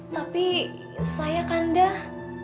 tapi saya kandah